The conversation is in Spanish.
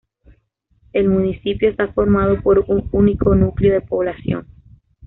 El municipio está formado por un único núcleo de población.